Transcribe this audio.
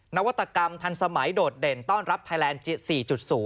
นวัตกรรมทันสมัยโดดเด่นต้อนรับไทยแลนด์๔๐